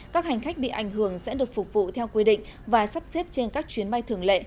các hành khách bị ảnh hưởng sẽ được phục vụ theo quy định và sắp xếp trên các chuyến bay thường lệ